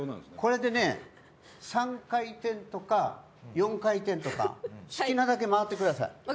これでね３回転とか４回転とか好きなだけ回してください。